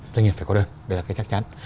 doanh nghiệp phải có đơn đây là cái chắc chắn